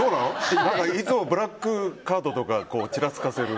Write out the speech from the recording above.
いつもブラックカードとかちらつかせる。